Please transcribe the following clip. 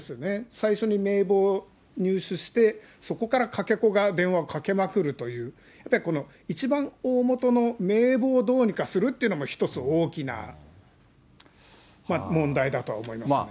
最初に名簿を入手して、そこからかけ子が電話をかけまくるという、この一番大本の名簿をどうにかするというのも一つ、大きな問題だとは思いますね。